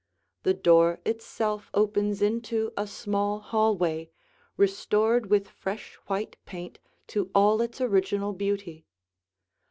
The door itself opens into a small hallway, restored with fresh white paint to all its original beauty.